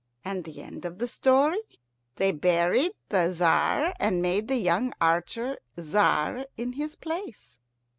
And the end of the story? They buried the Tzar, and made the young archer Tzar in his place.